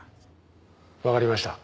わかりました。